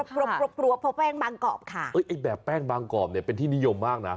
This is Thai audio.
กรับพอแป้งบางกรอบค่ะแบบแป้งบางกรอบเนี่ยเป็นที่นิยมมากนะ